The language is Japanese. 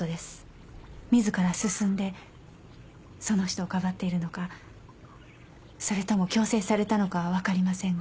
自ら進んでその人をかばっているのかそれとも強制されたのかはわかりませんが。